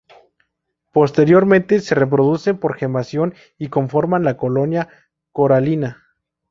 Posteriormente, se reproducen por gemación y conforman la colonia coralina.